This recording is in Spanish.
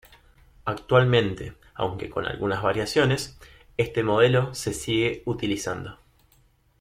Actualmente, aunque con algunas variaciones, este modelo se sigue utilizando.